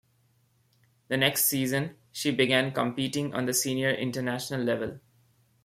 The next season, she began competing on the senior international level.